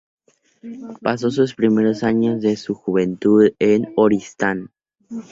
Pasó sus primeros años de su juventud en Oristán.